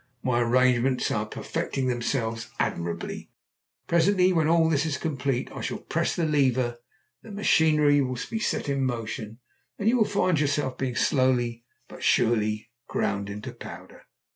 My arrangements are perfecting themselves admirably. Presently, when all is complete, I shall press the lever, the machinery will be set in motion, and you will find yourself being slowly but surely ground into powder.